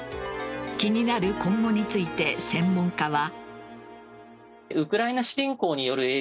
気になる今後について専門家は。